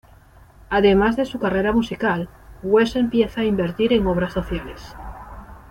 Además de su carrera musical, Wes empieza a invertir en obras sociales.